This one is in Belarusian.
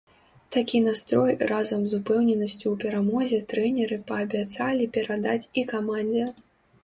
Такі настрой разам з упэўненасцю ў перамозе трэнеры паабяцалі перадаць і камандзе.